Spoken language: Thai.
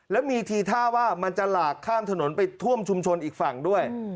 แล้วมีทีท่าว่ามันจะหลากข้ามถนนไปท่วมชุมชนอีกฝั่งด้วย